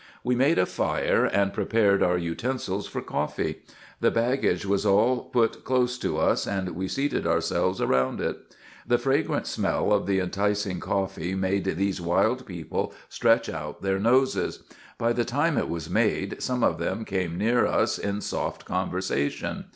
We made a fire, and prepared our utensils for coffee. The baggage was all put close to us, and we seated ourselves round it. The fragrant smell of the enticing coffee made these wild people stretch out their noses. By the time it was made, some of them came near us in soft conversation.